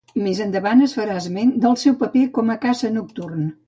Més endavant es farà esment del seu paper com a caça nocturn.